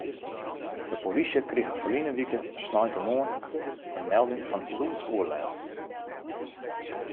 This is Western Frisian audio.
De polysje krige ferline wike sneintemoarn in melding fan lûdsoerlêst.